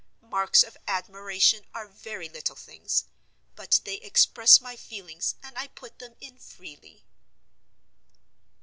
Marks of admiration are very little things; but they express my feelings, and I put them in freely.